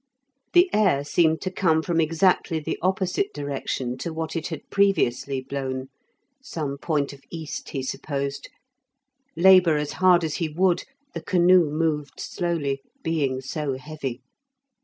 The air seemed to come from exactly the opposite direction to what it had previously blown, some point of east he supposed. Labour as hard as he would, the canoe moved slowly, being so heavy.